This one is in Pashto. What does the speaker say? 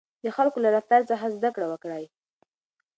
د خلکو له رفتار څخه زده کړه وکړئ.